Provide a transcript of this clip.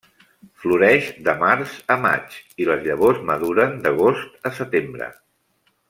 Floreix de març a maig i les llavors maduren d'agost a setembre.